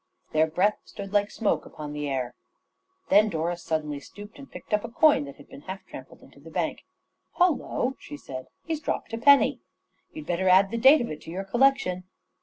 Their breath stood like smoke upon the air. Then Doris suddenly stooped and picked up a coin that had been half trampled into the bank. "Hullo!" she said, "he's dropped a penny. You'd better add the date of it to your collection."